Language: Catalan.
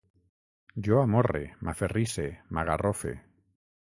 Jo amorre, m'aferrisse, m'agarrofe